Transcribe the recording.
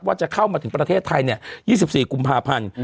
ว่าจะเข้ามาถึงประเทศไทยเนี่ย๒๔กุมภาพันธุ์